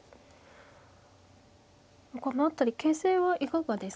この辺り形勢はいかがですか。